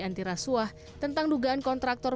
antirasuah tentang dugaan kontraktor